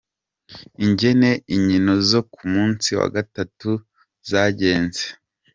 Ingene inkino zo ku musi wa gatatu zagenze.